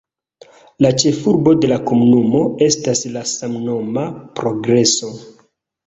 La ĉefurbo de la komunumo estas la samnoma Progreso.